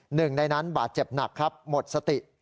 หนึ่งในนั้นบาดเจ็บหนักครับหมดสติ